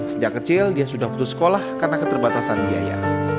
sejak kecil dia sudah putus sekolah karena keterbatasan biaya